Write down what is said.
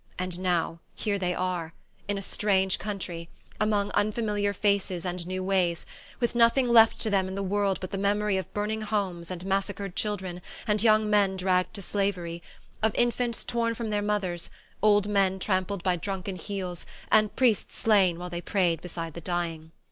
And now they are here, in a strange country, among unfamiliar faces and new ways, with nothing left to them in the world but the memory of burning homes and massacred children and young men dragged to slavery, of infants torn from their mothers, old men trampled by drunken heels and priests slain while they prayed beside the dying.